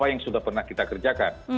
yang sudah pernah kita kerjakan